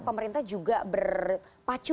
pemerintah juga berpacu